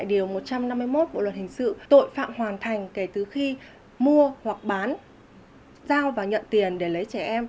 được quy định tại điều một trăm năm mươi một bộ luật hình sự tội phạm hoàn thành kể từ khi mua hoặc bán giao và nhận tiền để lấy trẻ em